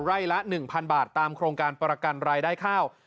ละ๑๐๐๐บาทตามโครงการประกันรายได้ข้าว